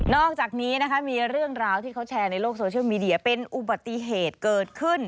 อกจากนี้นะคะมีเรื่องราวที่เขาแชร์ในโลกโซเชียลมีเดียเป็นอุบัติเหตุเกิดขึ้น